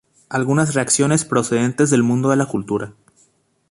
Algunas reacciones procedentes del mundo de la cultura.